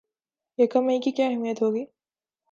یکم مئی کی کیا اہمیت ہوگی